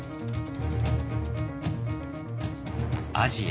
アジア